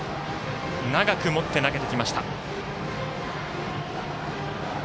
長く持って投げてきました。